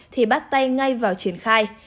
thì bắt tay ngay vào triển khai